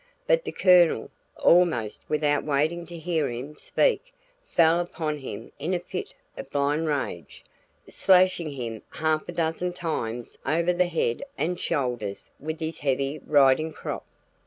But the Colonel, almost without waiting to hear him speak, fell upon him in a fit of blind rage, slashing him half a dozen times over the head and shoulders with his heavy riding crop.